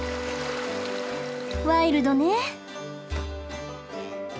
ワイルドね！